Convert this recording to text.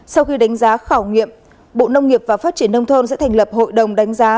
sau khi đánh giá khảo nghiệm bộ nông nghiệp và phát triển nông thôn sẽ thành lập hội đồng đánh giá